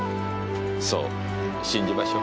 そう信じましょう。